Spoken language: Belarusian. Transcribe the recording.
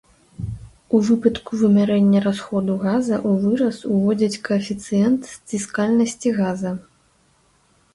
У выпадку вымярэння расходу газа ў выраз уводзяць каэфіцыент сціскальнасці газа.